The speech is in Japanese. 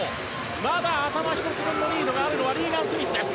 まだ頭１つ分のリードがあるのはリーガン・スミスです。